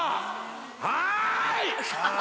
はい！